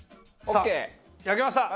さあ焼けました！